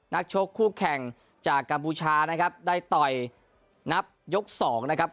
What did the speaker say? ชกคู่แข่งจากกัมพูชานะครับได้ต่อยนับยกสองนะครับ